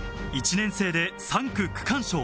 １年生で３区区間賞。